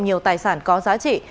nhiều tài sản có giá trị